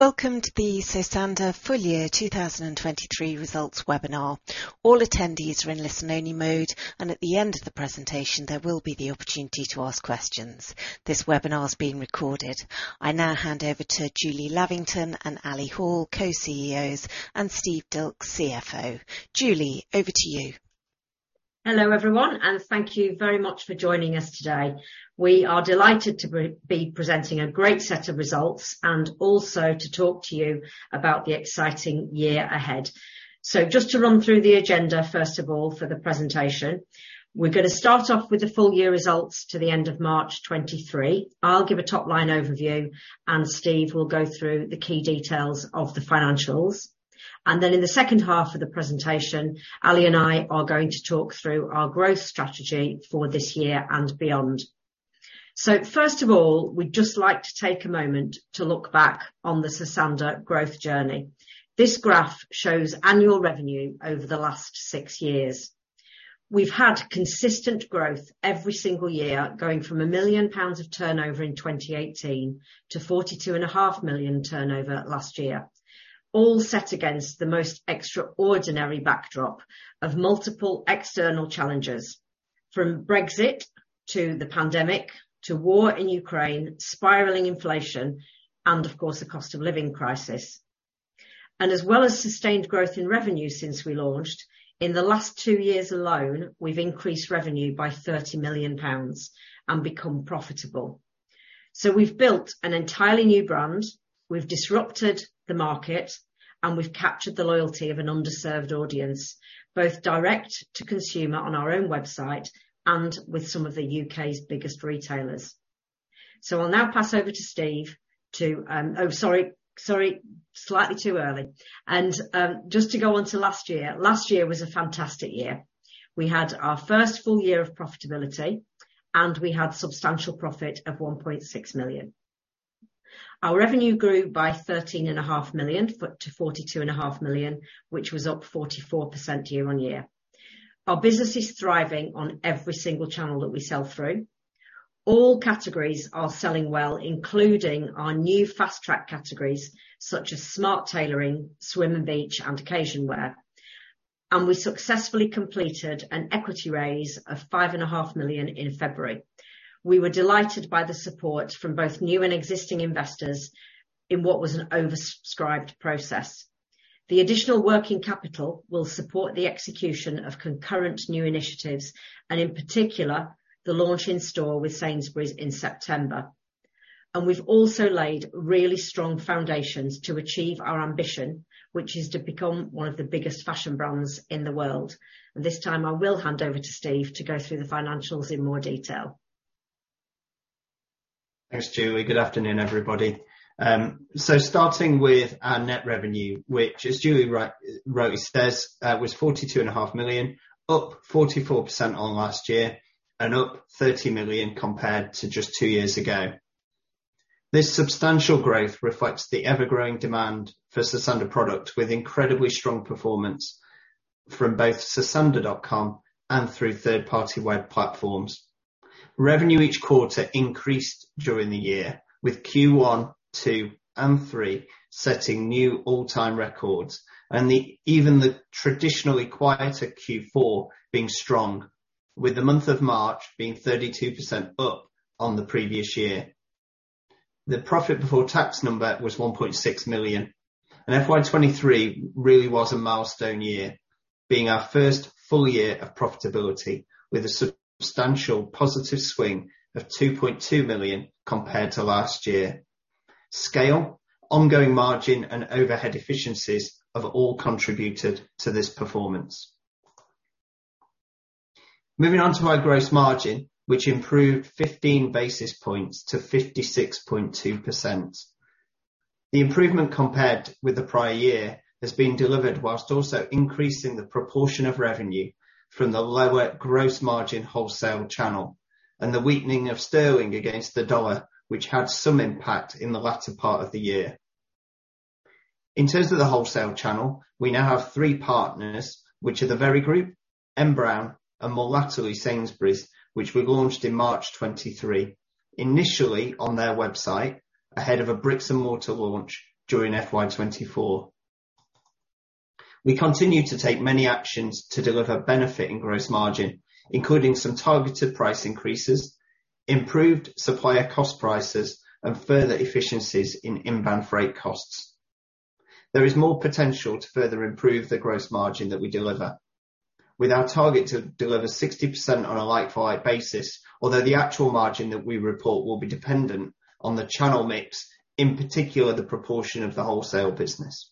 Welcome to the Sosandar full year 2023 results webinar. All attendees are in listen-only mode, at the end of the presentation, there will be the opportunity to ask questions. This webinar is being recorded. I now hand over to Julie Lavington and Ali Hall, Co-CEOs, and Steve Dilks, CFO. Julie, over to you. Hello, everyone, thank you very much for joining us today. We are delighted to be presenting a great set of results and also to talk to you about the exciting year ahead. Just to run through the agenda, first of all, for the presentation, we're gonna start off with the full year results to the end of March 2023. I'll give a top-line overview, and Steve will go through the key details of the financials. Then in the second half of the presentation, Ali and I are going to talk through our growth strategy for this year and beyond. First of all, we'd just like to take a moment to look back on the Sosandar growth journey. This graph shows annual revenue over the last six years. We've had consistent growth every single year, going from 1 million pounds of turnover in 2018 to 42 and a half million turnover last year, all set against the most extraordinary backdrop of multiple external challenges, from Brexit to the pandemic, to war in Ukraine, spiraling inflation, and of course, the cost of living crisis. As well as sustained growth in revenue since we launched, in the last two years alone, we've increased revenue by 30 million pounds and become profitable. We've built an entirely new brand, we've disrupted the market, and we've captured the loyalty of an underserved audience, both direct to consumer on our own website and with some of the U.K.'s biggest retailers. I'll now pass over to Steve to. Oh, sorry, slightly too early. Just to go on to last year, last year was a fantastic year. We had our first full year of profitability, and we had substantial profit of 1.6 million. Our revenue grew by 13.5 million foot to 42.5 million, which was up 44% year-on-year. Our business is thriving on every single channel that we sell through. All categories are selling well, including our new fast-track categories, such as smart tailoring, swim and beach, and occasion wear. We successfully completed an equity raise of 5.5 million in February. We were delighted by the support from both new and existing investors in what was an oversubscribed process. The additional working capital will support the execution of concurrent new initiatives, and in particular, the launch in store with Sainsbury's in September. We've also laid really strong foundations to achieve our ambition, which is to become one of the biggest fashion brands in the world. This time, I will hand over to Steve to go through the financials in more detail. Thanks, Julie. Good afternoon, everybody. Starting with our net revenue, which, as Julie says, was 42.5 million, up 44% on last year and up 30 million compared to just two years ago. This substantial growth reflects the ever-growing demand for Sosandar product, with incredibly strong performance from both sosandar.com and through third-party web platforms. Revenue each quarter increased during the year, with Q1, Q2, and Q3 setting new all-time records, even the traditionally quieter Q4 being strong, with the month of March being 32% up on the previous year. The profit before tax number was 1.6 million. FY 2023 really was a milestone year, being our first full year of profitability, with a substantial positive swing of 2.2 million compared to last year. Scale, ongoing margin, and overhead efficiencies have all contributed to this performance. Moving on to our gross margin, which improved 15 basis points to 56.2%. The improvement compared with the prior year has been delivered, whilst also increasing the proportion of revenue from the lower gross margin wholesale channel and the weakening of sterling against the dollar, which had some impact in the latter part of the year. In terms of the wholesale channel, we now have three partners, which are The Very Group, N Brown, and more latterly, Sainsbury's, which we launched in March 2023, initially on their website, ahead of a bricks and mortar launch during FY 2024. We continue to take many actions to deliver benefit and gross margin, including some targeted price increases, improved supplier cost prices, and further efficiencies in inbound freight costs. There is more potential to further improve the gross margin that we deliver, with our target to deliver 60% on a like-for-like basis, although the actual margin that we report will be dependent on the channel mix, in particular, the proportion of the wholesale business.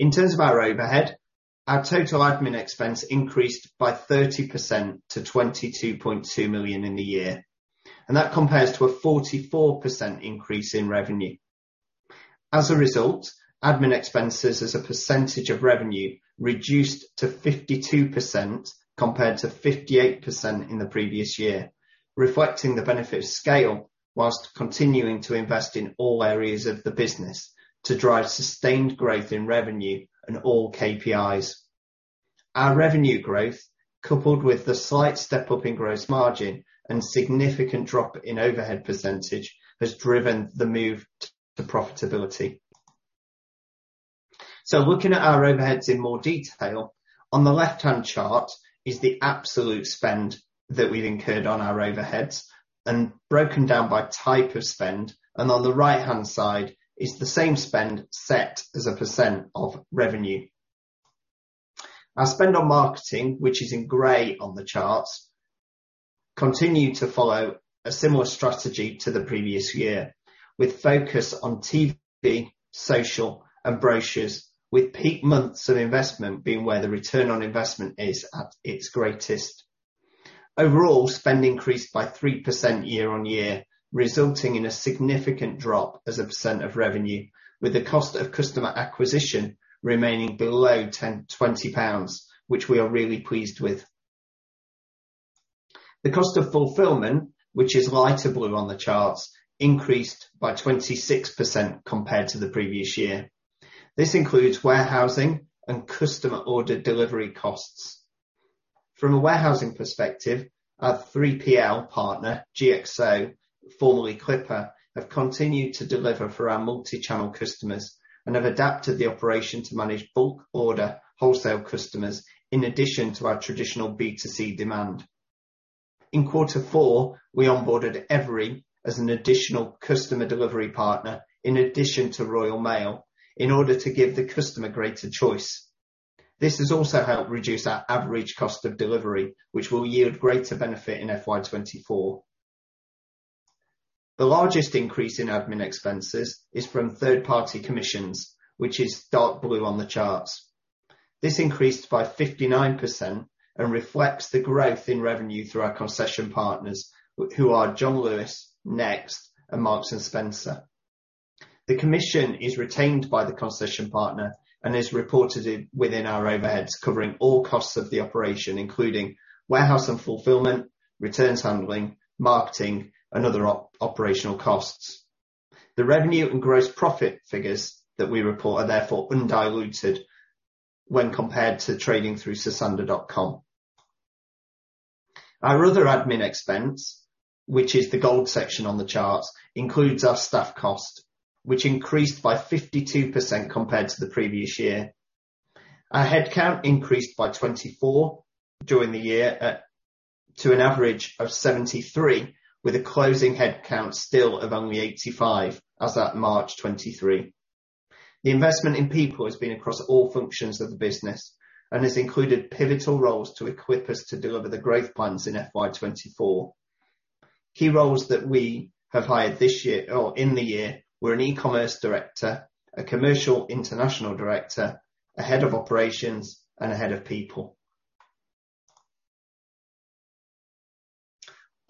In terms of our overhead, our total admin expense increased by 30% to 22.2 million in the year, and that compares to a 44% increase in revenue. As a result, admin expenses as a percentage of revenue reduced to 52%, compared to 58% in the previous year, reflecting the benefit of scale, whilst continuing to invest in all areas of the business to drive sustained growth in revenue and all KPIs. Our revenue growth, coupled with the slight step up in gross margin and significant drop in overhead percentage, has driven the move to profitability. Looking at our overheads in more detail, on the left-hand chart is the absolute spend that we've incurred on our overheads and broken down by type of spend, and on the right-hand side is the same spend set as a percent of revenue. Our spend on marketing, which is in gray on the charts, continued to follow a similar strategy to the previous year, with focus on TV, social, and brochures, with peak months of investment being where the ROI is at its greatest. Overall, spend increased by 3% year-on-year, resulting in a significant drop as a percent of revenue, with the cost of customer acquisition remaining below 10 pounds, 20 pounds, which we are really pleased with. The cost of fulfillment, which is lighter blue on the charts, increased by 26% compared to the previous year. This includes warehousing and customer order delivery costs. From a warehousing perspective, our 3PL partner, GXO, formerly Clipper, have continued to deliver for our multi-channel customers and have adapted the operation to manage bulk order wholesale customers, in addition to our traditional B2C demand. In Q4, we onboarded Evri as an additional customer delivery partner, in addition to Royal Mail, in order to give the customer greater choice. This has also helped reduce our average cost of delivery, which will yield greater benefit in FY 2024. The largest increase in admin expenses is from third-party commissions, which is dark blue on the charts. This increased by 59% and reflects the growth in revenue through our concession partners, who are John Lewis, Next, and Marks & Spencer. The commission is retained by the concession partner and is reported in, within our overheads, covering all costs of the operation, including warehouse and fulfillment, returns handling, marketing, and other operational costs. The revenue and gross profit figures that we report are therefore undiluted when compared to trading through Sosandar.com. Our other admin expense, which is the gold section on the chart, includes our staff cost, which increased by 52% compared to the previous year. Our headcount increased by 24 during the year, to an average of 73, with a closing headcount still of only 85 as at March 23. The investment in people has been across all functions of the business and has included pivotal roles to equip us to deliver the growth plans in FY 2024. Key roles that we have hired this year, or in the year, were an e-commerce director, a commercial international director, a head of operations, and a head of people.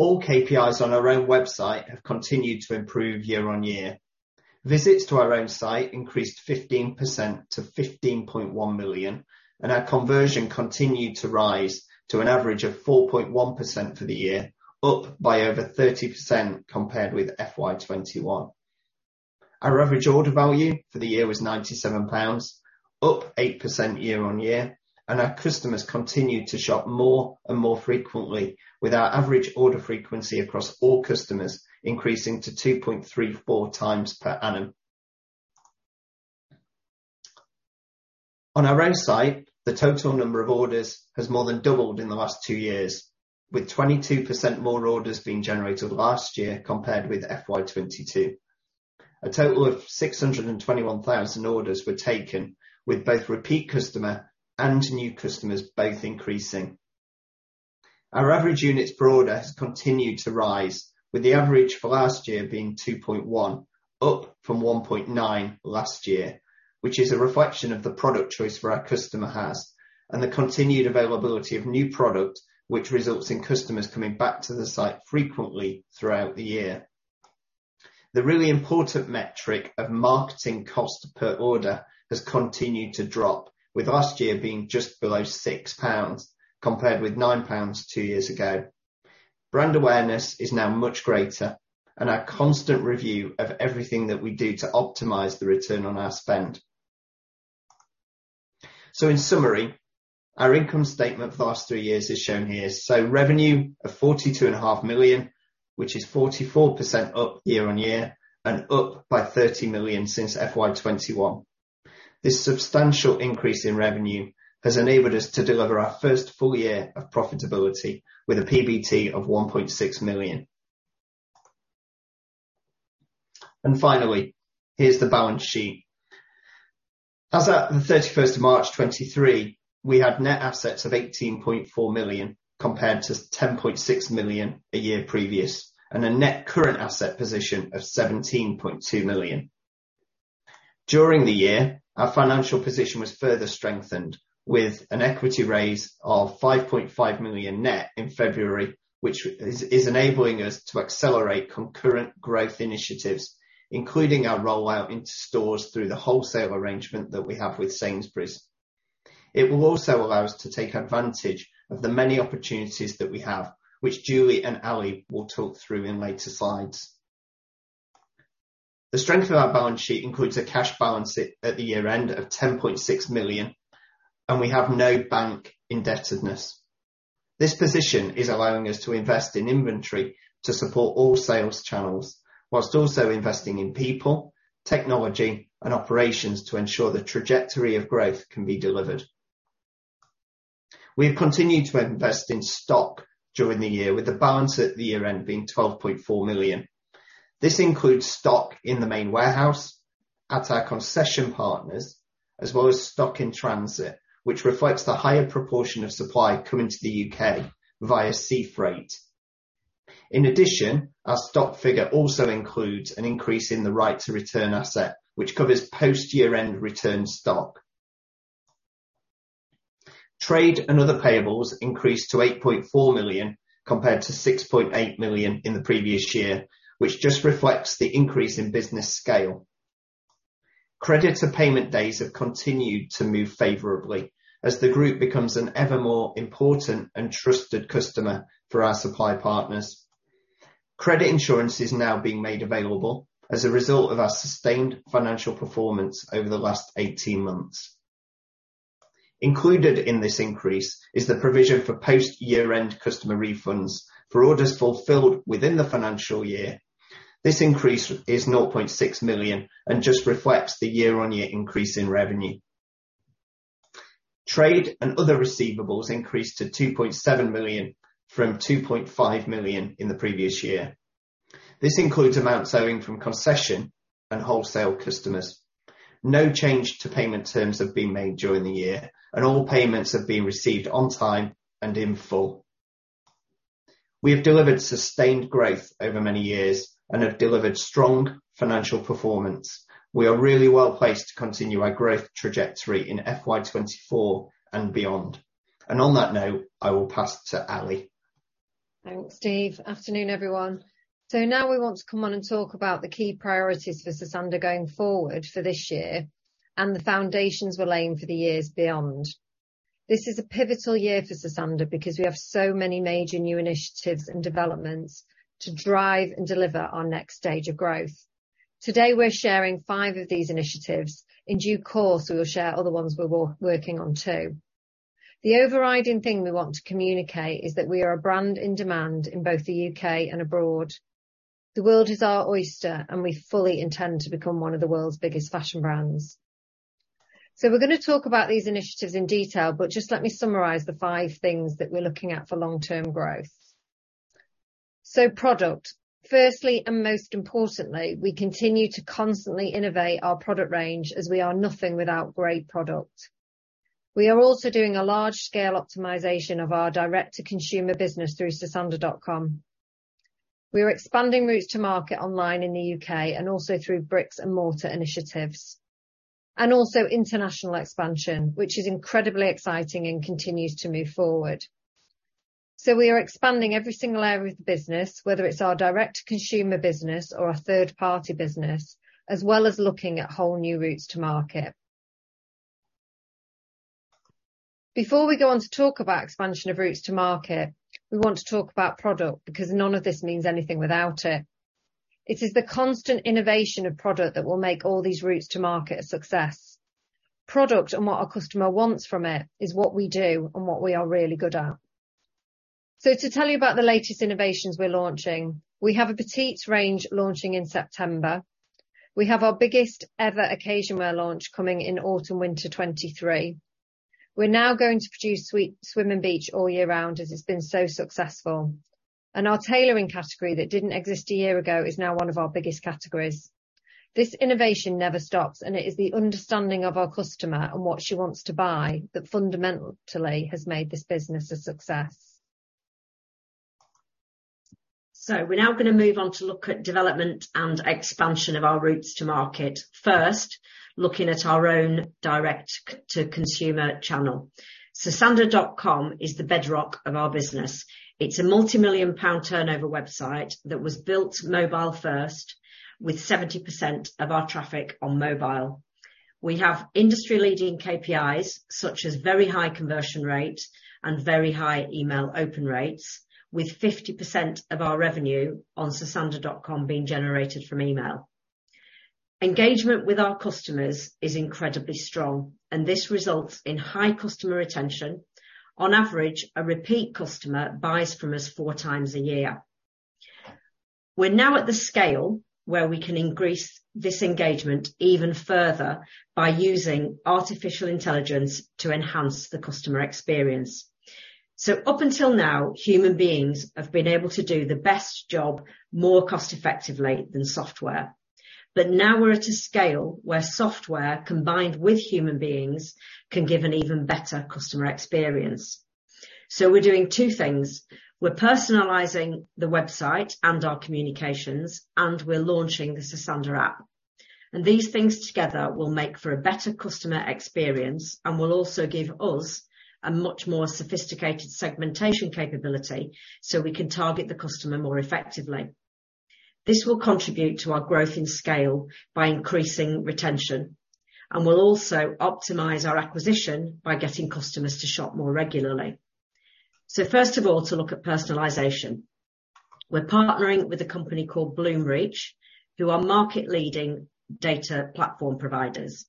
All KPIs on our own website have continued to improve year-on-year. Visits to our own site increased 15% to 15.1 million. Our conversion continued to rise to an average of 4.1% for the year, up by over 30% compared with FY 2021. Our average order value for the year was 97 pounds, up 8% year-on-year. Our customers continued to shop more and more frequently with our average order frequency across all customers, increasing to 2.34x per annum. On our own site, the total number of orders has more than doubled in the last two years, with 22% more orders being generated last year compared with FY 2022. A total of 621,000 orders were taken, with both repeat customer and new customers both increasing. Our average units per order has continued to rise, with the average for last year being 2.1, up from 1.9 last year, which is a reflection of the product choice for our customer has, and the continued availability of new product, which results in customers coming back to the site frequently throughout the year. The really important metric of marketing cost per order has continued to drop, with last year being just below 6 pounds, compared with 9 pounds two years ago. Brand awareness is now much greater, and our constant review of everything that we do to optimize the return on our spend. In summary, our income statement for the last three years is shown here. Revenue of 42.5 million, which is 44% up year-over-year and up by 30 million since FY 2021. This substantial increase in revenue has enabled us to deliver our first full year of profitability with a PBT of 1.6 million. Finally, here's the balance sheet. As at the 31st of March 2023, we had net assets of 18.4 million, compared to 10.6 million a year previous, and a net current asset position of 17.2 million. During the year, our financial position was further strengthened with an equity raise of 5.5 million net in February, which is enabling us to accelerate concurrent growth initiatives, including our rollout into stores through the wholesale arrangement that we have with Sainsbury's. It will also allow us to take advantage of the many opportunities that we have, which Julie and Ali will talk through in later slides. The strength of our balance sheet includes a cash balance at the year-end of 10.6 million. We have no bank indebtedness. This position is allowing us to invest in inventory to support all sales channels, whilst also investing in people, technology, and operations to ensure the trajectory of growth can be delivered. We have continued to invest in stock during the year, with the balance at the year-end being 12.4 million. This includes stock in the main warehouse, at our concession partners, as well as stock in transit, which reflects the higher proportion of supply coming to the U.K. via sea freight. In addition, our stock figure also includes an increase in the right to return asset, which covers post-year-end return stock. Trade and other payables increased to 8.4 million, compared to 6.8 million in the previous year, which just reflects the increase in business scale. Credit to payment days have continued to move favorably, as the group becomes an ever more important and trusted customer for our supply partners. Credit insurance is now being made available as a result of our sustained financial performance over the last 18 months. Included in this increase is the provision for post-year-end customer refunds for orders fulfilled within the financial year. This increase is 0.6 million, and just reflects the year-on-year increase in revenue. Trade and other receivables increased to 2.7 million from 2.5 million in the previous year. This includes amounts owing from concession and wholesale customers. No change to payment terms have been made during the year, and all payments have been received on time and in full. We have delivered sustained growth over many years and have delivered strong financial performance. We are really well placed to continue our growth trajectory in FY 2024 and beyond. On that note, I will pass to Ali. Thanks, Steve. Afternoon, everyone. Now we want to come on and talk about the key priorities for Sosandar going forward for this year, and the foundations we're laying for the years beyond. This is a pivotal year for Sosandar because we have so many major new initiatives and developments to drive and deliver our next stage of growth. Today, we're sharing five of these initiatives. In due course, we will share other ones we're working on, too. The overriding thing we want to communicate is that we are a brand in demand in both the U.K. and abroad. The world is our oyster, and we fully intend to become one of the world's biggest fashion brands. We're gonna talk about these initiatives in detail, but just let me summarize the five things that we're looking at for long-term growth. Product. Firstly, and most importantly, we continue to constantly innovate our product range as we are nothing without great product. We are also doing a large-scale optimization of our direct-to-consumer business through sosandar.com. We are expanding routes to market online in the U.K. and also through bricks and mortar initiatives, and also international expansion, which is incredibly exciting and continues to move forward. We are expanding every single area of the business, whether it's our direct-to-consumer business or our third-party business, as well as looking at whole new routes to market. Before we go on to talk about expansion of routes to market, we want to talk about product, because none of this means anything without it. It is the constant innovation of product that will make all these routes to market a success. Product and what our customer wants from it, is what we do and what we are really good at. To tell you about the latest innovations we're launching, we have a petite range launching in September. We have our biggest ever occasion wear launch coming in autumn/winter 2023. We're now going to produce swim and beach all year round, as it's been so successful. Our tailoring category, that didn't exist a year ago, is now one of our biggest categories. This innovation never stops, and it is the understanding of our customer and what she wants to buy, that fundamentally has made this business a success. We're now gonna move on to look at development and expansion of our routes to market. First, looking at our own direct to consumer channel. sosandar.com is the bedrock of our business. It's a multimillion pound turnover website that was built mobile first, with 70% of our traffic on mobile. We have industry leading KPIs, such as very high conversion rate and very high email open rates, with 50% of our revenue on sosandar.com being generated from email. Engagement with our customers is incredibly strong, and this results in high customer retention. On average, a repeat customer buys from us 4x a year. We're now at the scale where we can increase this engagement even further by using artificial intelligence to enhance the customer experience. Up until now, human beings have been able to do the best job more cost effectively than software. Now we're at a scale where software, combined with human beings, can give an even better customer experience. We're doing two things: We're personalizing the website and our communications, and we're launching the Sosandar app. These things together will make for a better customer experience and will also give us a much more sophisticated segmentation capability, so we can target the customer more effectively. This will contribute to our growth and scale by increasing retention, and will also optimize our acquisition by getting customers to shop more regularly. First of all, to look at personalization. We're partnering with a company called Bloomreach, who are market leading data platform providers.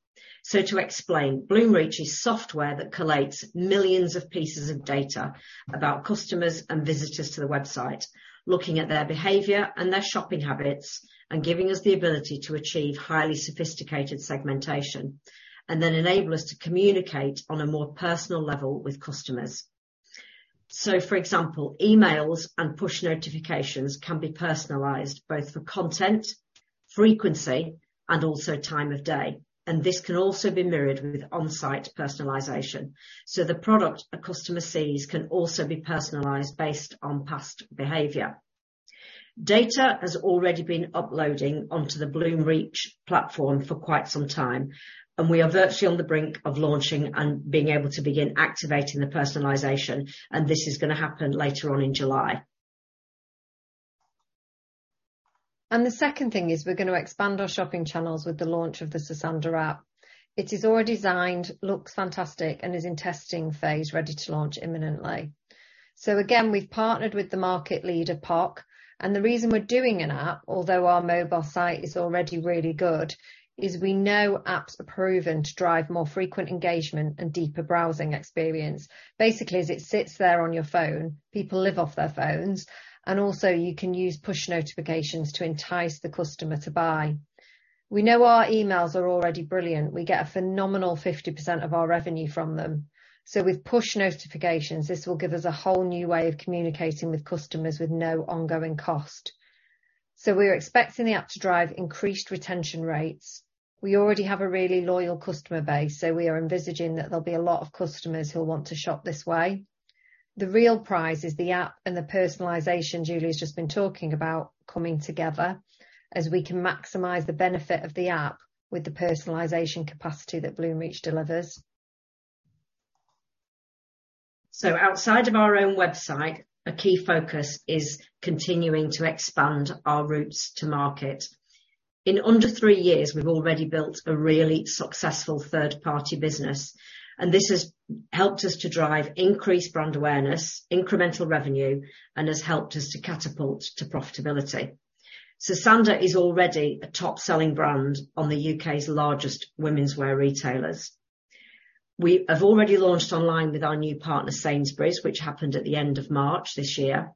To explain, Bloomreach is software that collates millions of pieces of data about customers and visitors to the website, looking at their behavior and their shopping habits, and giving us the ability to achieve highly sophisticated segmentation, and then enable us to communicate on a more personal level with customers. For example, emails and push notifications can be personalized, both for content, frequency, and also time of day, and this can also be mirrored with on-site personalization. The product a customer sees can also be personalized based on past behavior. Data has already been uploading onto the Bloomreach platform for quite some time, and we are virtually on the brink of launching and being able to begin activating the personalization, and this is gonna happen later on in July. The second thing is we're gonna expand our shopping channels with the launch of the Sosandar app. It is already designed, looks fantastic, and is in testing phase, ready to launch imminently. Again, we've partnered with the market leader, Poq. The reason we're doing an app, although our mobile site is already really good, is we know apps are proven to drive more frequent engagement and deeper browsing experience. Basically, as it sits there on your phone, people live off their phones, and also you can use push notifications to entice the customer to buy. We know our emails are already brilliant. We get a phenomenal 50% of our revenue from them. With push notifications, this will give us a whole new way of communicating with customers with no ongoing cost. We're expecting the app to drive increased retention rates. We already have a really loyal customer base. We are envisaging that there'll be a lot of customers who will want to shop this way. The real prize is the app and the personalization Julie has just been talking about coming together, as we can maximize the benefit of the app with the personalization capacity that Bloomreach delivers. Outside of our own website, a key focus is continuing to expand our routes to market. In under three years, we've already built a really successful third-party business, and this has helped us to drive increased brand awareness, incremental revenue, and has helped us to catapult to profitability. Sosandar is already a top-selling brand on the U.K.'s largest womenswear retailers. We have already launched online with our new partner, Sainsbury's, which happened at the end of March this year,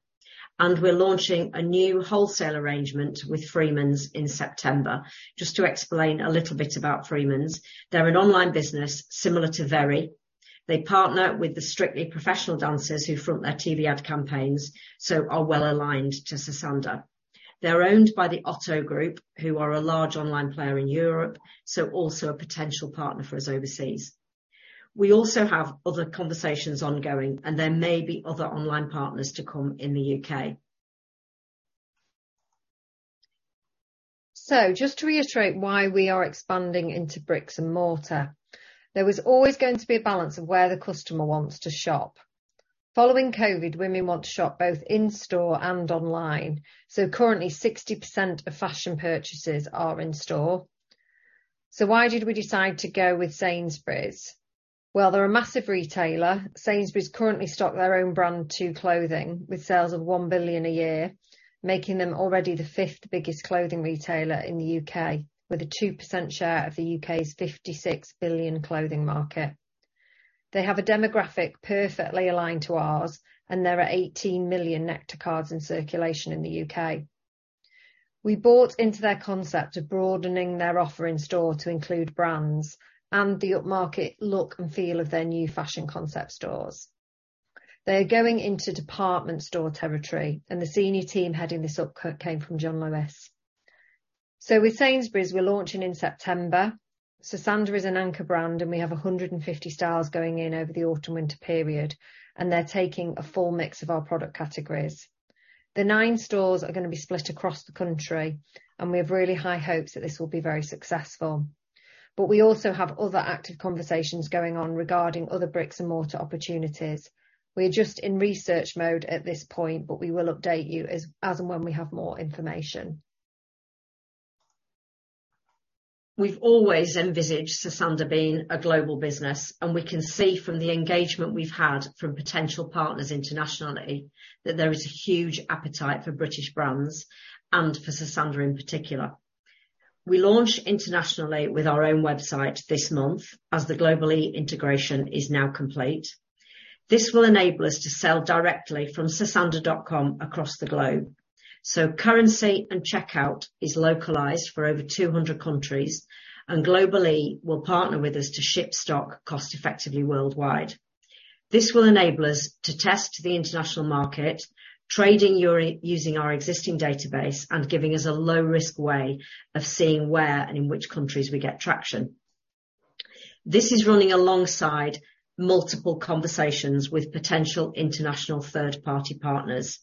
and we're launching a new wholesale arrangement with Freemans in September. Just to explain a little bit about Freemans, they're an online business similar to Very. They partner with the Strictly professional dancers who front their TV ad campaigns, so are well-aligned to Sosandar. They're owned by the Otto Group, who are a large online player in Europe, so also a potential partner for us overseas. We also have other conversations ongoing. There may be other online partners to come in the U.K. Just to reiterate why we are expanding into bricks and mortar, there was always going to be a balance of where the customer wants to shop. Following COVID, women want to shop both in-store and online. Currently, 60% of fashion purchases are in store. Why did we decide to go with Sainsbury's? Well, they're a massive retailer. Sainsbury's currently stock their own brand Tu clothing, with sales of 1 billion a year, making them already the fifth biggest clothing retailer in the U.K., with a 2% share of the U.K.'s 56 billion clothing market. They have a demographic perfectly aligned to ours. There are 18 million Nectar cards in circulation in the U.K. We bought into their concept of broadening their offer in store to include brands and the upmarket look and feel of their new fashion concept stores. They are going into department store territory. The senior team heading this up came from John Lewis. With Sainsbury's, we're launching in September. Sosandar is an anchor brand. We have 150 styles going in over the autumn, winter period, and they're taking a full mix of our product categories. The nine stores are gonna be split across the country. We have really high hopes that this will be very successful. We also have other active conversations going on regarding other bricks and mortar opportunities. We are just in research mode at this point. We will update you as and when we have more information. We've always envisaged Sosandar being a global business. We can see from the engagement we've had from potential partners internationally, that there is a huge appetite for British brands and for Sosandar, in particular. We launch internationally with our own website this month, as the Global-e integration is now complete. This will enable us to sell directly from sosandar.com across the globe. Currency and checkout is localized for over 200 countries, and Global-e will partner with us to ship stock cost-effectively worldwide. This will enable us to test the international market, trading using our existing database and giving us a low risk way of seeing where and in which countries we get traction. This is running alongside multiple conversations with potential international third-party partners.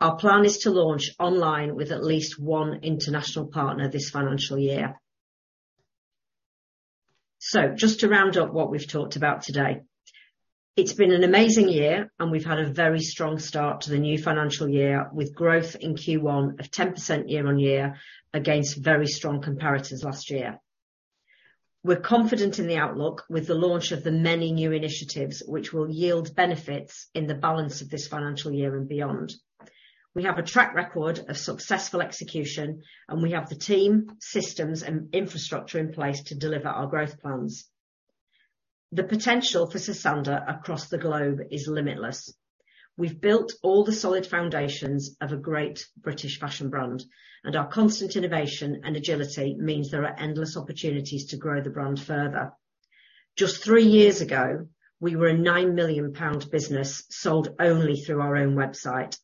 Our plan is to launch online with at least one international partner this financial year. Just to round up what we've talked about today, it's been an amazing year, and we've had a very strong start to the new financial year, with growth in Q1 of 10% year-on-year against very strong comparators last year. We're confident in the outlook with the launch of the many new initiatives which will yield benefits in the balance of this financial year and beyond. We have a track record of successful execution, and we have the team, systems, and infrastructure in place to deliver our growth plans. The potential for Sosandar across the globe is limitless. We've built all the solid foundations of a great British fashion brand, and our constant innovation and agility means there are endless opportunities to grow the brand further. Just three years ago, we were a 9 million pound business sold only through our own website.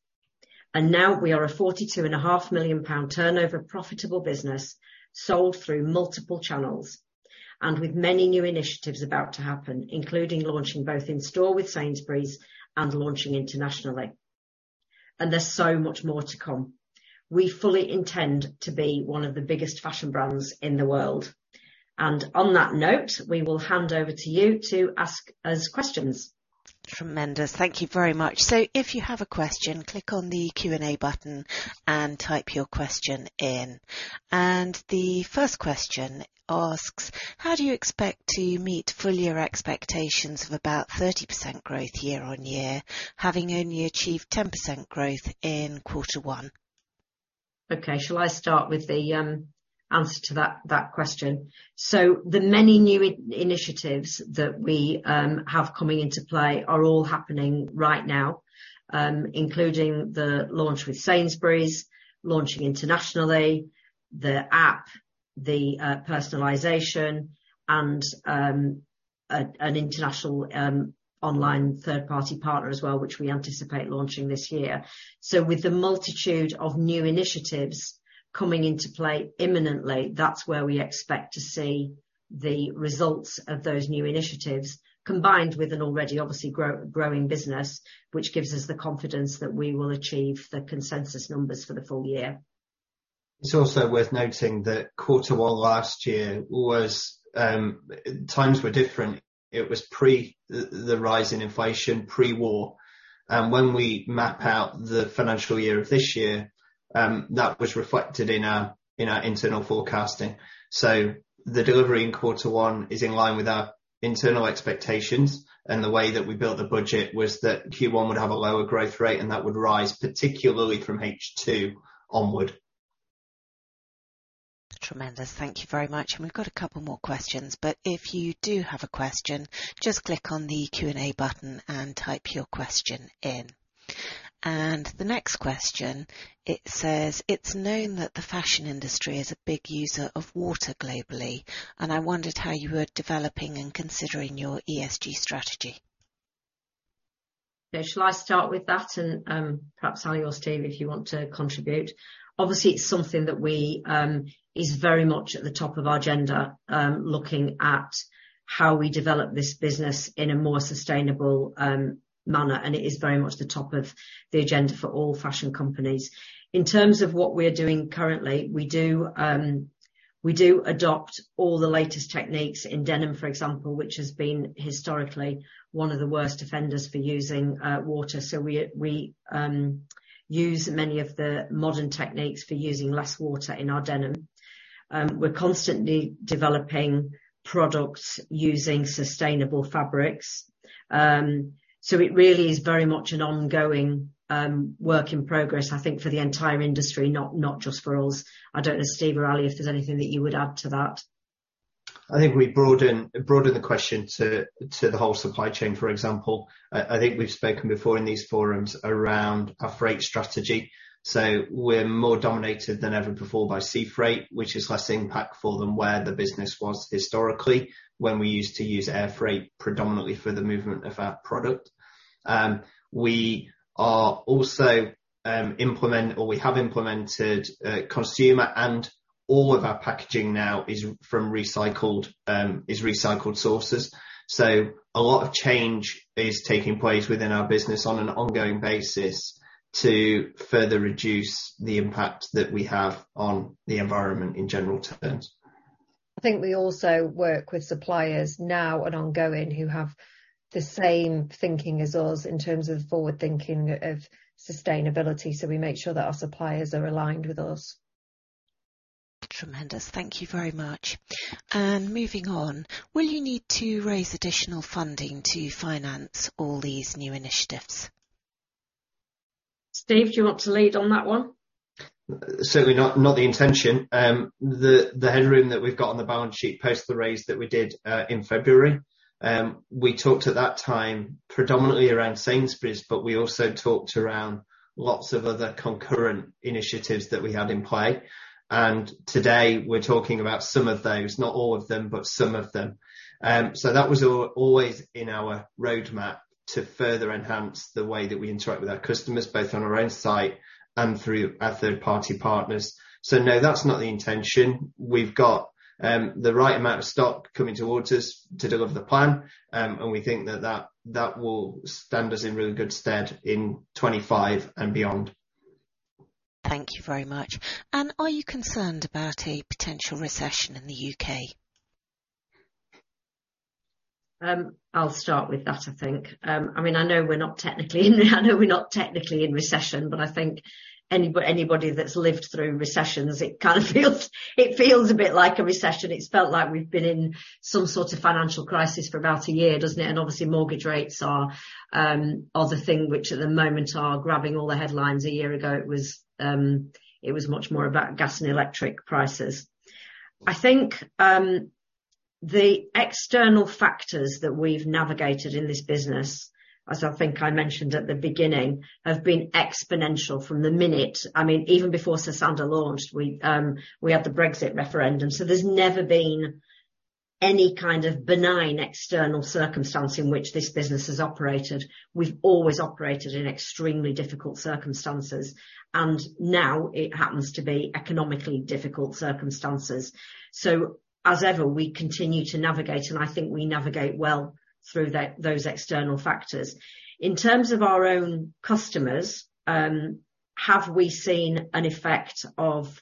Now we are a 42.5 million pound turnover, profitable business, sold through multiple channels, and with many new initiatives about to happen, including launching both in-store with Sainsbury's and launching internationally. There's so much more to come. We fully intend to be one of the biggest fashion brands in the world. On that note, we will hand over to you to ask us questions. Tremendous. Thank you very much. If you have a question, click on the Q&A button and type your question in. The first question asks: How do you expect to meet full year expectations of about 30% growth year-on-year, having only achieved 10% growth in quarter one? Okay, shall I start with the answer to that question? The many new initiatives that we have coming into play are all happening right now, including the launch with Sainsbury's, launching internationally, the app, the personalization and an international online third-party partner as well, which we anticipate launching this year. With the multitude of new initiatives coming into play imminently, that's where we expect to see the results of those new initiatives, combined with an already obviously growing business, which gives us the confidence that we will achieve the consensus numbers for the full year. It's also worth noting that quarter one last year was times were different. It was pre the rise in inflation, pre-war. When we map out the financial year of this year, that was reflected in our internal forecasting. The delivery in quarter one is in line with our internal expectations, and the way that we built the budget was that Q1 would have a lower growth rate, and that would rise, particularly from H2 onward. Tremendous. Thank you very much. We've got a couple more questions, but if you do have a question, just click on the Q&A button and type your question in. The next question, it says: It's known that the fashion industry is a big user of water globally, and I wondered how you were developing and considering your ESG strategy. Yeah, shall I start with that? Perhaps Ali or Steve, if you want to contribute. Obviously, it's something that we is very much at the top of our agenda, looking at how we develop this business in a more sustainable manner. It is very much the top of the agenda for all fashion companies. In terms of what we're doing currently, we do, we do adopt all the latest techniques in denim, for example, which has been historically one of the worst offenders for using water. We use many of the modern techniques for using less water in our denim. We're constantly developing products using sustainable fabrics. It really is very much an ongoing work in progress, I think, for the entire industry, not just for us. I don't know, Steve or Ali, if there's anything that you would add to that. I think we broaden the question to the whole supply chain, for example. I think we've spoken before in these forums around our freight strategy, we're more dominated than ever before by sea freight, which is less impactful than where the business was historically, when we used to use air freight predominantly for the movement of our product. We are also, we have implemented, consumer, and all of our packaging now is from recycled, is recycled sources. A lot of change is taking place within our business on an ongoing basis to further reduce the impact that we have on the environment in general terms. I think we also work with suppliers now and ongoing, who have the same thinking as us in terms of forward-thinking, of sustainability, so we make sure that our suppliers are aligned with us. Tremendous. Thank you very much. Moving on, will you need to raise additional funding to finance all these new initiatives? Steve, do you want to lead on that one? Certainly not the intention. The headroom that we've got on the balance sheet post the raise that we did in February, we talked at that time predominantly around Sainsbury's, but we also talked around lots of other concurrent initiatives that we had in play. Today, we're talking about some of those, not all of them, but some of them. That was always in our roadmap to further enhance the way that we interact with our customers, both on our own site and through our third-party partners. No, that's not the intention. We've got the right amount of stock coming towards us to deliver the plan, and we think that will stand us in really good stead in 2025 and beyond. Thank you very much. Are you concerned about a potential recession in the U.K.? I'll start with that, I think. I mean, I know we're not technically in recession, but I think anybody that's lived through recessions, it kind of feels, it feels a bit like a recession. It's felt like we've been in some sort of financial crisis for about a year, doesn't it? Obviously, mortgage rates are the thing, which at the moment are grabbing all the headlines. A year ago, it was much more about gas and electric prices. I think the external factors that we've navigated in this business, as I think I mentioned at the beginning, have been exponential from the minute. I mean, even before Sosandar launched, we had the Brexit referendum, there's never been any kind of benign, external circumstance in which this business has operated. We've always operated in extremely difficult circumstances, and now it happens to be economically difficult circumstances. As ever, we continue to navigate, and I think we navigate well through those external factors. In terms of our own customers, have we seen an effect of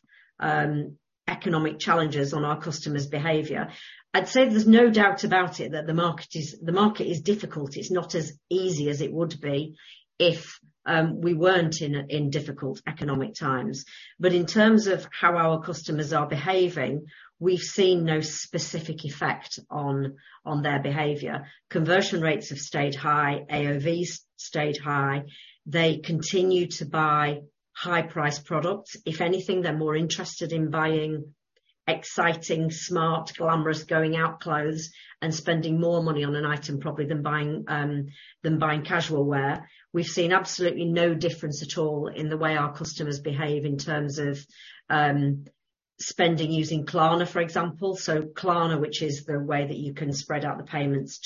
economic challenges on our customers' behavior? I'd say there's no doubt about it, that the market is difficult. It's not as easy as it would be if we weren't in difficult economic times. In terms of how our customers are behaving, we've seen no specific effect on their behavior. Conversion rates have stayed high, AOV stayed high. They continue to buy high-priced products. If anything, they're more interested in buying exciting, smart, glamorous, going out clothes and spending more money on an item, probably than buying casual wear. We've seen absolutely no difference at all in the way our customers behave in terms of spending using Klarna, for example. Klarna, which is the way that you can spread out the payments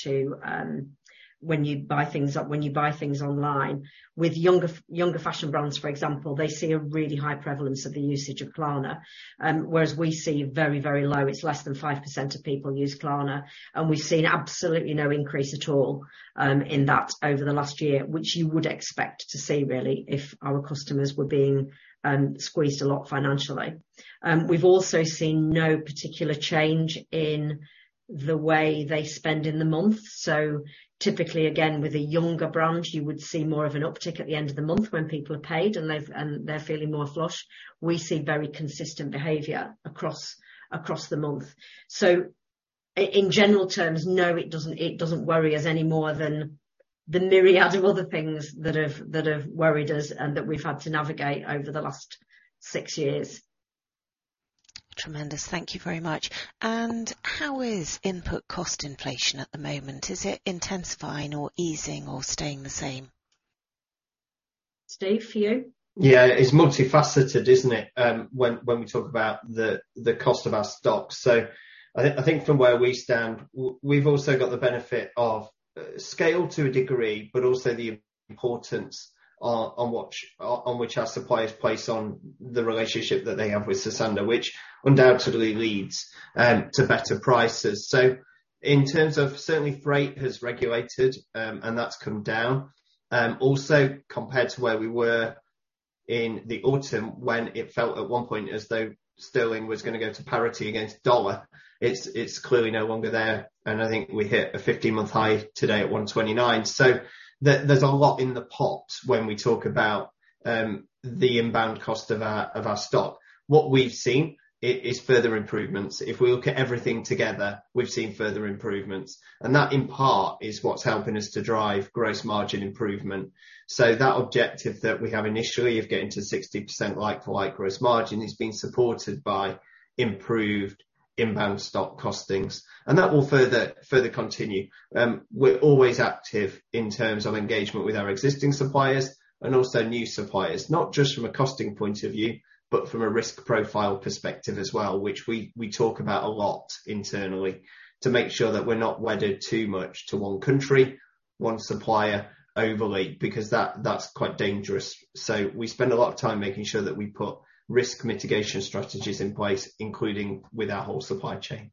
when you buy things online. With younger fashion brands, for example, they see a really high prevalence of the usage of Klarna, whereas we see very, very low. It's less than 5% of people use Klarna, and we've seen absolutely no increase at all in that over the last year, which you would expect to see, really, if our customers were being squeezed a lot financially. We've also seen no particular change in the way they spend in the month. Typically, again, with a younger brand, you would see more of an uptick at the end of the month when people are paid and they're feeling more flush. We see very consistent behavior across the month. In general terms, no, it doesn't worry us any more than the myriad of other things that have worried us and that we've had to navigate over the last six years. Tremendous. Thank you very much. How is input cost inflation at the moment? Is it intensifying or easing or staying the same? Steve, to you? Yeah, it's multifaceted, isn't it? When we talk about the cost of our stock, I think from where we stand, we've also got the benefit of scale to a degree, but also the importance on which our suppliers place on the relationship that they have with Sosandar, which undoubtedly leads to better prices. Certainly, freight has regulated, and that's come down. Also, compared to where we were in the autumn, when it felt at one point as though sterling was gonna go to parity against the dollar, it's clearly no longer there, and I think we hit a 15-month high today at $1.29. There's a lot in the pot when we talk about the inbound cost of our stock. What we've seen is further improvements. If we look at everything together, we've seen further improvements, and that, in part, is what's helping us to drive gross margin improvement. That objective that we have initially of getting to 60% like-for-like gross margin, is being supported by improved inbound stock costings, and that will further continue. We're always active in terms of engagement with our existing suppliers and also new suppliers, not just from a costing point of view, but from a risk profile perspective as well, which we talk about a lot internally, to make sure that we're not wedded too much to one country, one supplier overly, because that's quite dangerous. We spend a lot of time making sure that we put risk mitigation strategies in place, including with our whole supply chain.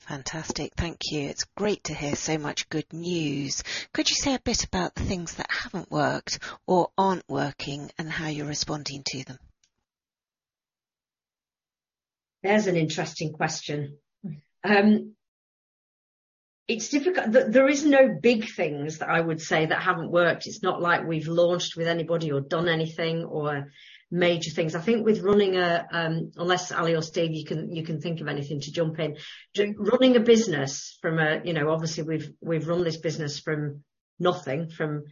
Fantastic. Thank you. It's great to hear so much good news. Could you say a bit about the things that haven't worked or aren't working, and how you're responding to them? There's an interesting question. It's difficult, there is no big things that I would say that haven't worked. It's not like we've launched with anybody or done anything or major things. I think with running a, unless Ali or Steve, you can think of anything to jump in. running a business from a, you know, obviously, we've run this business from nothing, from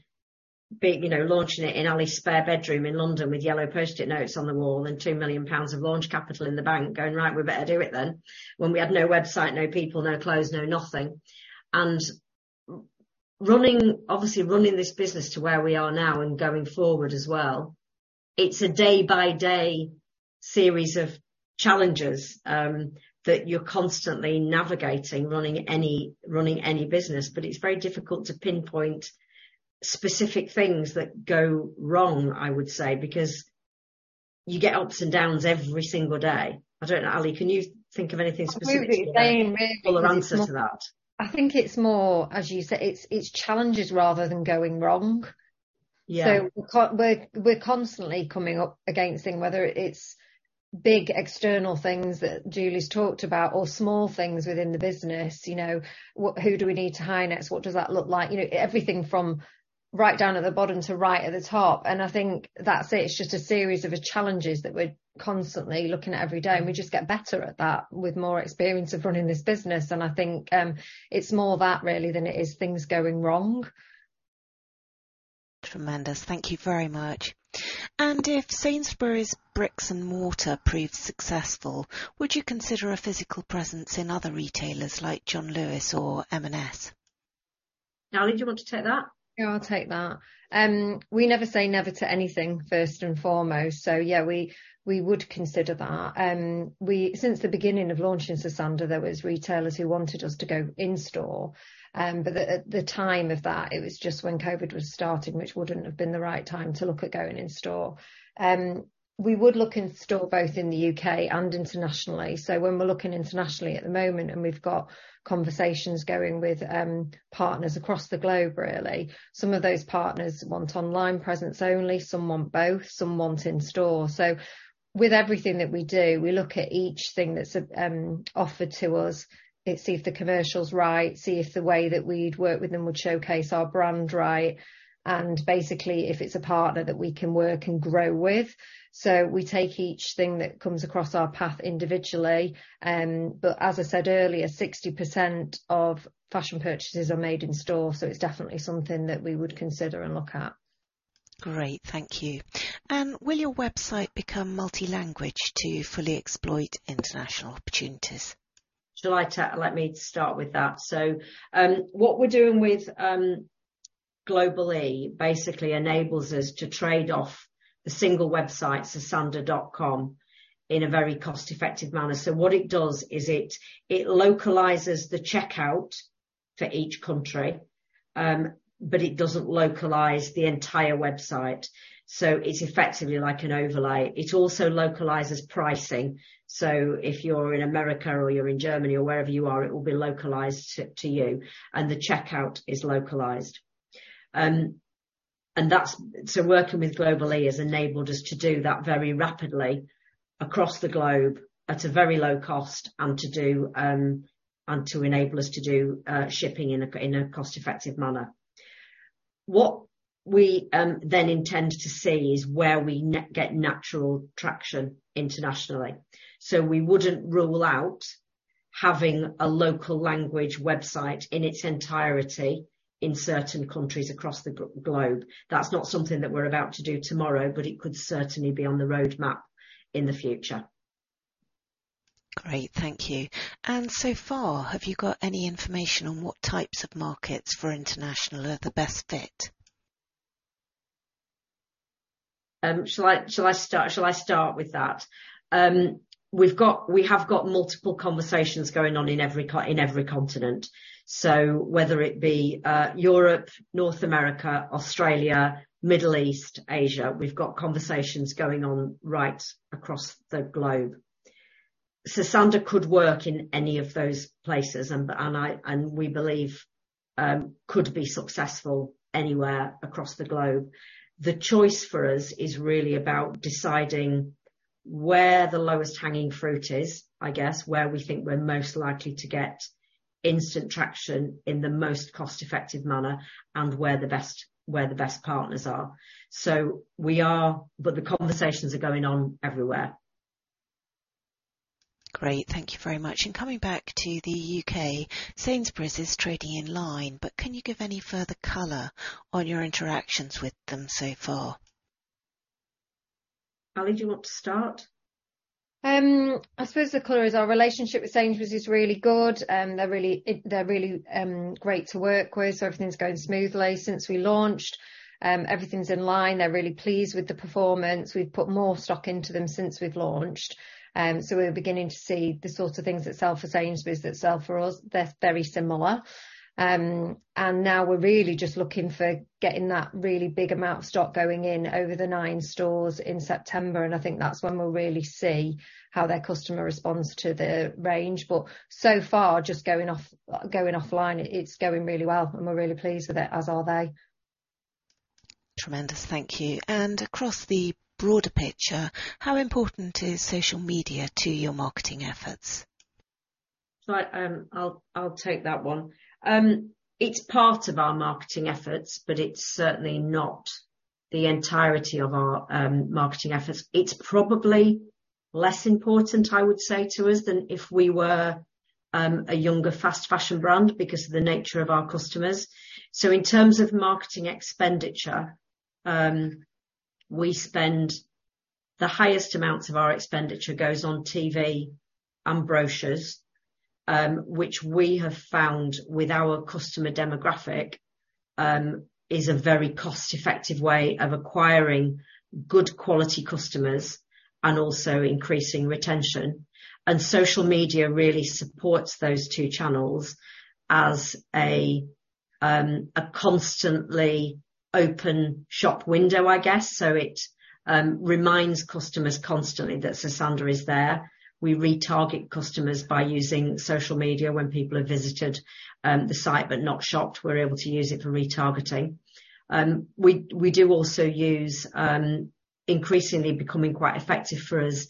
being, you know, launching it in Ali's spare bedroom in London, with yellow Post-it notes on the wall and 2 million pounds of launch capital in the bank, going, "Right, we better do it then," when we had no website, no people, no clothes, no nothing. Running, obviously, running this business to where we are now and going forward as well, it's a day-by-day series of challenges, that you're constantly navigating, running any business, but it's very difficult to pinpoint specific things that go wrong, I would say, because you get ups and downs every single day. I don't know, Ali, can you think of anything specifically-? I would be saying, really. Answer to that? I think it's more, as you said, it's challenges rather than going wrong. We're constantly coming up against things, whether it's big external things that Julie's talked about or small things within the business, you know, who do we need to hire next? What does that look like? You know, everything from right down at the bottom to right at the top. I think that's it. It's just a series of challenges that we're constantly looking at every day. We just get better at that with more experience of running this business. I think, it's more that really than it is things going wrong. Tremendous. Thank you very much. If Sainsbury's bricks and mortar proves successful, would you consider a physical presence in other retailers like John Lewis or M&S? Ali, do you want to take that? Yeah, I'll take that. We never say never to anything, first and foremost, so yeah, we would consider that. Since the beginning of launching Sosandar, there was retailers who wanted us to go in-store, but at the time of that, it was just when COVID was starting, which wouldn't have been the right time to look at going in-store. We would look in-store both in the U.K. and internationally. When we're looking internationally at the moment, and we've got conversations going with partners across the globe, really. Some of those partners want online presence only, some want both, some want in-store. With everything that we do, we look at each thing that's offered to us and see if the commercial's right, see if the way that we'd work with them would showcase our brand right, and basically, if it's a partner that we can work and grow with. We take each thing that comes across our path individually, but as I said earlier, 60% of fashion purchases are made in-store, so it's definitely something that we would consider and look at. Great, thank you. Will your website become multi-language to fully exploit international opportunities? Let me start with that. What we're doing with Global-e basically enables us to trade off the single website, sosandar.com, in a very cost-effective manner. What it does is it localizes the checkout for each country, but it doesn't localize the entire website, so it's effectively like an overlay. It also localizes pricing, so if you're in America or you're in Germany or wherever you are, it will be localized to you, and the checkout is localized. Working with Global-e has enabled us to do that very rapidly across the globe, at a very low cost, and to do, and to enable us to do shipping in a cost-effective manner. What we then intend to see is where we get natural traction internationally. We wouldn't rule out having a local language website in its entirety in certain countries across the globe. That's not something that we're about to do tomorrow, but it could certainly be on the roadmap in the future. Great, thank you. So far, have you got any information on what types of markets for international are the best fit? Shall I start with that? We have got multiple conversations going on in every continent. Whether it be, Europe, North America, Australia, Middle East, Asia, we've got conversations going on right across the globe. Sosandar could work in any of those places, and I, and we believe could be successful anywhere across the globe. The choice for us is really about deciding where the lowest hanging fruit is, I guess, where we think we're most likely to get instant traction in the most cost-effective manner and where the best partners are. We are... But the conversations are going on everywhere. Great. Thank you very much. Coming back to the U.K., Sainsbury's is trading in line, but can you give any further color on your interactions with them so far? Ali, do you want to start? I suppose the color is our relationship with Sainsbury's is really good, they're really great to work with, so everything's going smoothly since we launched. Everything's in line. They're really pleased with the performance. We've put more stock into them since we've launched, so we're beginning to see the sorts of things that sell for Sainsbury's, that sell for us. They're very similar. Now we're really just looking for getting that really big amount of stock going in over the nine stores in September, and I think that's when we'll really see how their customer responds to the range, but so far, just going offline, it's going really well, and we're really pleased with it, as are they. Tremendous. Thank you. Across the broader picture, how important is social media to your marketing efforts? I'll, I'll take that one. It's part of our marketing efforts, but it's certainly not the entirety of our marketing efforts. It's probably less important, I would say, to us than if we were a younger, fast fashion brand because of the nature of our customers. In terms of marketing expenditure, we spend The highest amounts of our expenditure goes on TV and brochures, which we have found with our customer demographic, is a very cost-effective way of acquiring good quality customers and also increasing retention. Social media really supports those two channels as a constantly open shop window, I guess, so it reminds customers constantly that Sosandar is there. We retarget customers by using social media when people have visited the site but not shopped, we're able to use it for retargeting. We do also use, increasingly becoming quite effective for us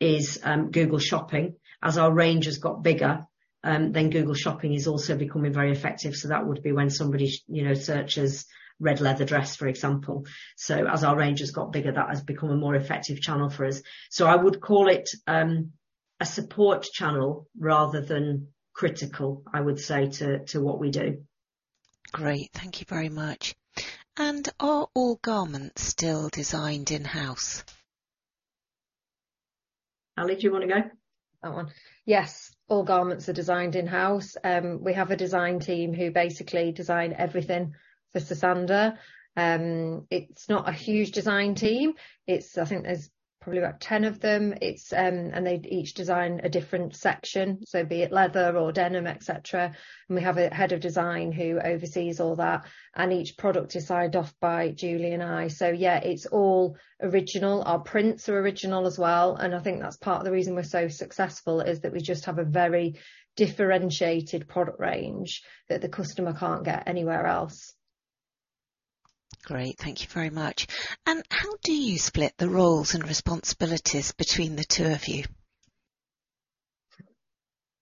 is Google Shopping. As our range has got bigger, then Google Shopping is also becoming very effective, so that would be when somebody, you know, searches red leather dress, for example. As our range has got bigger, that has become a more effective channel for us. I would call it, a support channel rather than critical, I would say to what we do. Great. Thank you very much. Are all garments still designed in-house? Ali, do you want to go? That one. Yes, all garments are designed in-house. We have a design team who basically design everything for Sosandar. It's not a huge design team. I think there's probably about 10 of them. They each design a different section, so be it leather or denim, et cetera. We have a head of design who oversees all that, and each product is signed off by Julie and I. Yeah, it's all original. Our prints are original as well, and I think that's part of the reason we're so successful, is that we just have a very differentiated product range that the customer can't get anywhere else. Great, thank you very much. How do you split the roles and responsibilities between the two of you?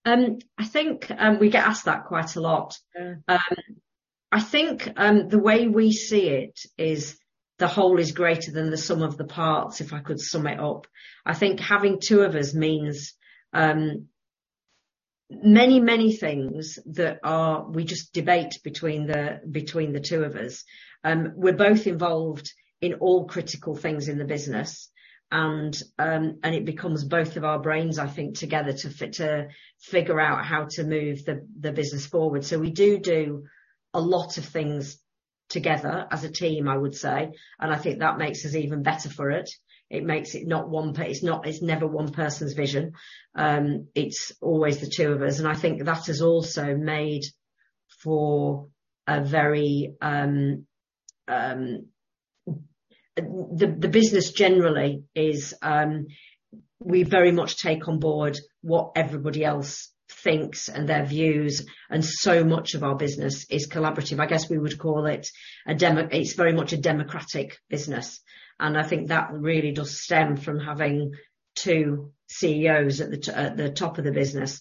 I think, we get asked that quite a lot. Yeah. I think the way we see it is the whole is greater than the sum of the parts, if I could sum it up. I think having two of us means many, many things that are... We just debate between the two of us. We're both involved in all critical things in the business, and it becomes both of our brains, I think, together to figure out how to move the business forward. We do a lot of things together as a team, I would say, and I think that makes us even better for it. It's not, it's never one person's vision, it's always the two of us, and I think that has also made for a very. The business generally is, we very much take on board what everybody else thinks and their views, and so much of our business is collaborative. I guess we would call it a democratic business, and I think that really does stem from having two CEOs at the top of the business.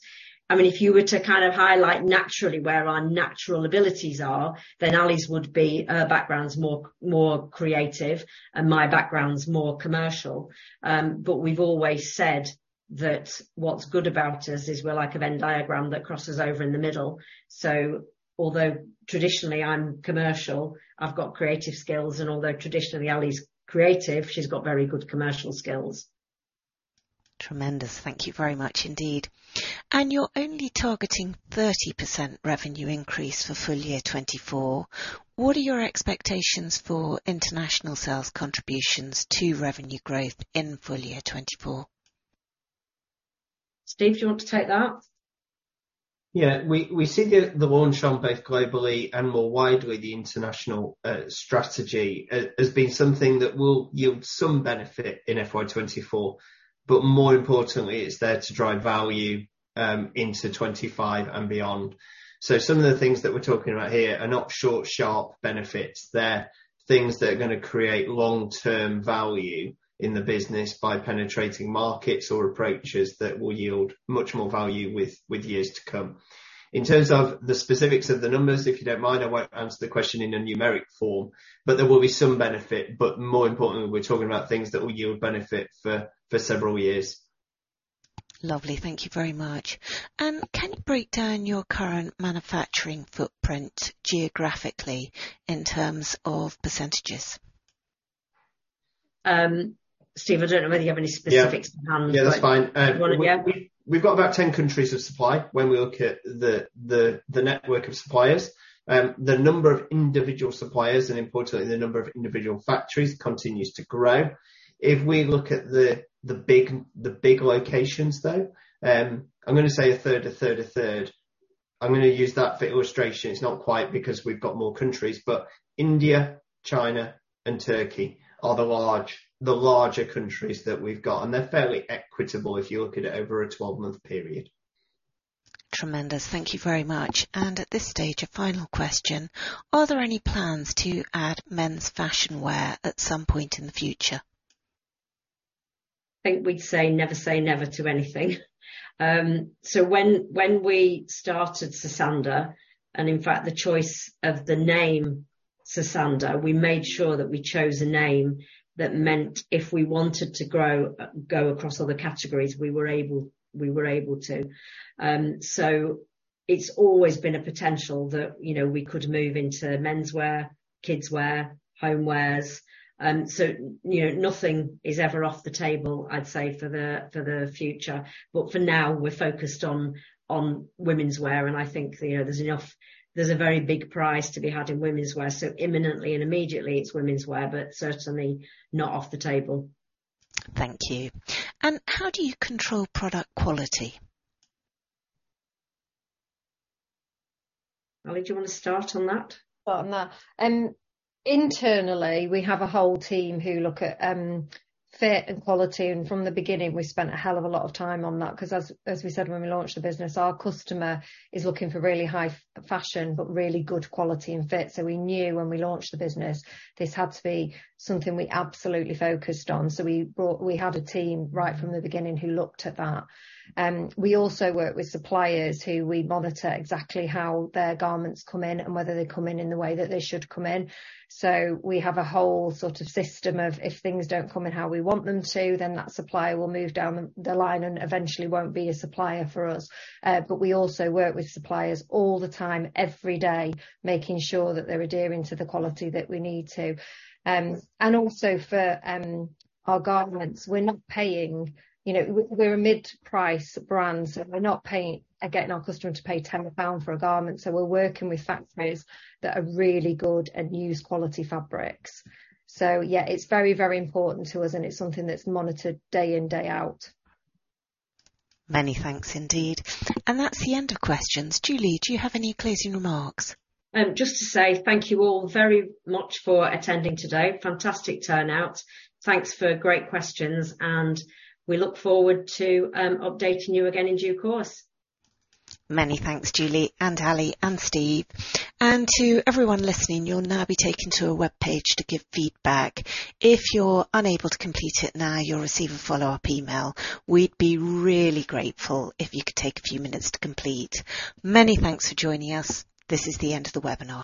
I mean, if you were to kind of highlight naturally where our natural abilities are, then Ali's would be, her background's more creative, and my background's more commercial. We've always said that what's good about us is we're like a Venn diagram that crosses over in the middle. Although traditionally, I'm commercial, I've got creative skills, and although traditionally, Ali's creative, she's got very good commercial skills. Tremendous. Thank you very much indeed. You're only targeting 30% revenue increase for full year 2024. What are your expectations for international sales contributions to revenue growth in full year 2024? Steve, do you want to take that? Yeah. We see the launch on both Global-e and more widely, the international strategy, as being something that will yield some benefit in FY 2024, but more importantly, it's there to drive value into 2025 and beyond. Some of the things that we're talking about here are not short, sharp benefits. They're things that are gonna create long-term value in the business by penetrating markets or approaches that will yield much more value with years to come. In terms of the specifics of the numbers, if you don't mind, I won't answer the question in a numeric form, but there will be some benefit. More importantly, we're talking about things that will yield benefit for several years. Lovely. Thank you very much. Can you break down your current manufacturing footprint geographically in terms of %? Steve, I don't know whether you have any specifics on. Yeah. Yeah, that's fine. You want to. Yeah. We've got about 10 countries of supply when we look at the network of suppliers. The number of individual suppliers, and importantly, the number of individual factories, continues to grow. If we look at the big locations, though, I'm gonna say a third, a third, a third. I'm gonna use that for illustration. It's not quite because we've got more countries, but India, China, and Turkey are the larger countries that we've got, and they're fairly equitable if you look at it over a 12-month period. Tremendous. Thank you very much. At this stage, a final question: Are there any plans to add men's fashion wear at some point in the future? I think we'd say, never say never to anything. When, when we started Sosandar, and in fact, the choice of the name Sosandar, we made sure that we chose a name that meant if we wanted to grow, go across other categories, we were able to. It's always been a potential that, you know, we could move into menswear, kidswear, homewares, you know, nothing is ever off the table, I'd say, for the future. For now, we're focused on womenswear, and I think, you know, there's a very big prize to be had in womenswear, imminently and immediately, it's womenswear, certainly not off the table. Thank you. How do you control product quality? Ali, do you want to start on that? On that. Internally, we have a whole team who look at fit and quality, from the beginning, we spent a hell of a lot of time on that, 'cause as we said when we launched the business, our customer is looking for really high fashion, but really good quality and fit. We knew when we launched the business, this had to be something we absolutely focused on. We had a team right from the beginning who looked at that. We also work with suppliers who we monitor exactly how their garments come in and whether they come in in the way that they should come in. We have a whole sort of system of, if things don't come in how we want them to, then that supplier will move down the line and eventually won't be a supplier for us. We also work with suppliers all the time, every day, making sure that they're adhering to the quality that we need to. Also for our garments, we're not paying. You know, we're a mid-price brand, so we're not paying getting our customer to pay 10 pound for a garment, so we're working with factories that are really good and use quality fabrics. Yeah, it's very, very important to us, and it's something that's monitored day in, day out. Many thanks indeed. That's the end of questions. Julie, do you have any closing remarks? Just to say thank you all very much for attending today. Fantastic turnout. Thanks for great questions, we look forward to updating you again in due course. Many thanks, Julie and Ali and Steve. To everyone listening, you'll now be taken to a webpage to give feedback. If you're unable to complete it now, you'll receive a follow-up email. We'd be really grateful if you could take a few minutes to complete. Many thanks for joining us. This is the end of the webinar.